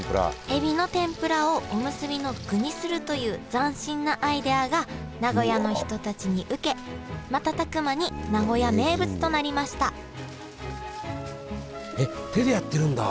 エビの天ぷらをおむすびの具にするという斬新なアイデアが名古屋の人たちに受けまたたく間に名古屋名物となりましたえっ手でやってるんだ！